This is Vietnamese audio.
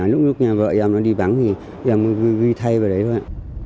lúc nhà vợ em nó đi bắn thì em ghi thay vào đấy thôi ạ